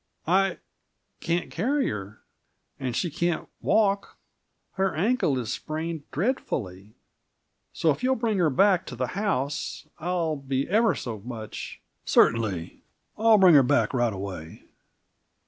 "I can't carry her, and she can't walk her ankle is sprained dreadfully. So if you'll bring her back to the house, I'll be ever so much " "Certainly; I'll bring her back right away."